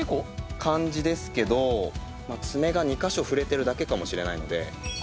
感じですけど、爪が２か所触れてるだけかもしれないので。